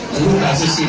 dulu basis kita